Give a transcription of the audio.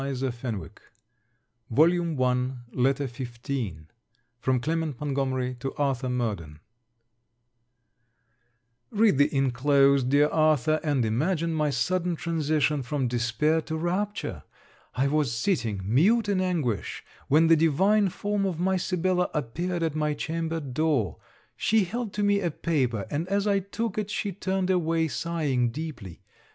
SIBELLA VALMONT LETTER XV FROM CLEMENT MONTGOMERY TO ARTHUR MURDEN Read the inclosed, dear Arthur, and imagine my sudden transition from despair to rapture. I was sitting, mute in anguish, when the divine form of my Sibella appeared at my chamber door. She held to me a paper, and as I took it, she turned away sighing deeply.